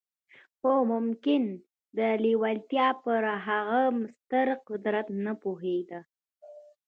خو ممکن د لېوالتیا پر هغه ستر قدرت نه پوهېده